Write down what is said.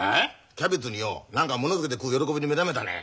キャベツによ何かものつけて食う喜びに目覚めたね。